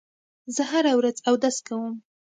زه هره ورځ اودس کوم.